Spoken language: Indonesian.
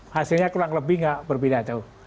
hasilnya kurang lebih gak berbeda tuh